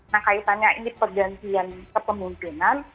nah kaitannya ini pergantian kepemimpinan